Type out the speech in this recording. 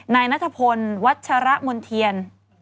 นายนัทพลวัชรมนเทียน